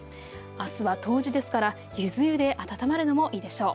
あすは冬至ですから、ゆず湯で温まるのもいいでしょう。